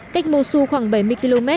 cách mosul khoảng bảy mươi km